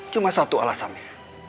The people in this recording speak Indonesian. cuma satu alasannya